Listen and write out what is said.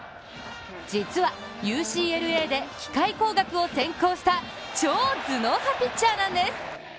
実はＵＣＬＡで機械工学を専攻した超頭脳はピッチャーなんです。